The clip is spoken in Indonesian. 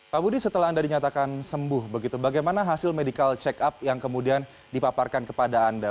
pak budi setelah anda dinyatakan sembuh begitu bagaimana hasil medical check up yang kemudian dipaparkan kepada anda